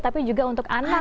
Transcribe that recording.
tapi juga untuk anak